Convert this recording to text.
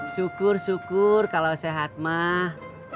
syukur syukur kalau sehat mah